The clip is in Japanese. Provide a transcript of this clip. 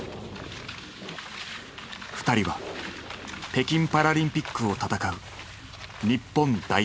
２人は北京パラリンピックを戦う日本代表。